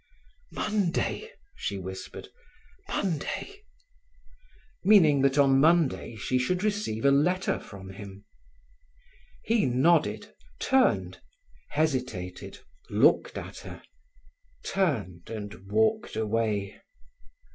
"Monday," she whispered—"Monday," meaning that on Monday she should receive a letter from him. He nodded, turned, hesitated, looked at her, turned and walked away.